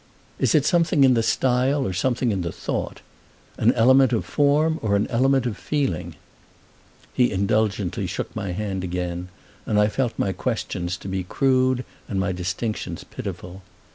"Is it something in the style or something in the thought? An element of form or an element of feeling?" He indulgently shook my hand again, and I felt my questions to be crude and my distinctions pitiful.